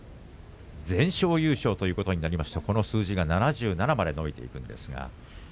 全勝優勝ということになるとこの数字が７７まで伸びていきます。